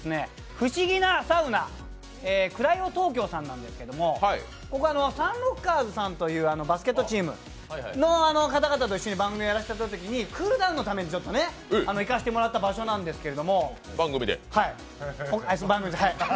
不思議なサウナ、ＣＲＹＯＴＯＫＹＯさんなんですけど、ここはサンロッカーズさんというバスケットチームさんと番組をやっていたときにクールダウンのために行かせてもらった場所なんですけど。